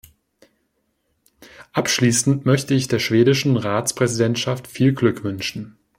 Abschließend möchte ich der schwedischen Ratspräsidentschaft viel Glück wünschen!